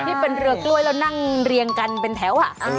ที่เป็นเรือกล้วยแล้วนั่งเรียงกันเป็นแถว